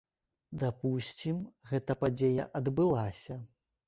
Дапусцім, гэта падзея адбылася.